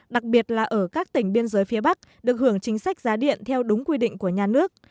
đặc biệt là ở các tỉnh biên giới phía bắc được hưởng chính sách giá điện theo đúng quy định của nhà nước